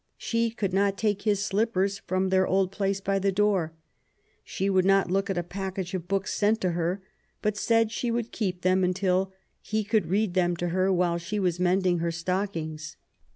She could not take his slippers from their old place by the door. She would not look at a package of books sent to her, but said she would keep them until he could read them to her while she was mending her stockings.